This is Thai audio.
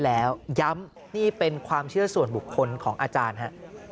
แล้วย้ำนี่เป็นความเชื่อส่วนบุคคลของอาจารย์ฮะ